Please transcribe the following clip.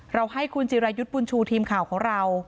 เราให้คุณจิรัยุทร์ปุ่นชูทีมข่าวห์ของเรา